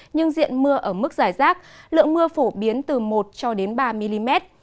nhưng diện mưa ở mức giải rác lượng mưa phổ biến từ một cho đến ba mm